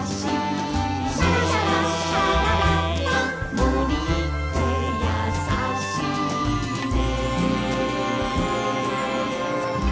「シャラシャラシャラララ森ってやさしいね」